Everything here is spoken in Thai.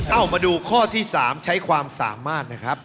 เอามาดูข้อที่๓ใช้ความสามารถนะครับ